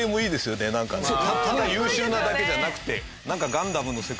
ただ優秀なだけじゃなくてなんか。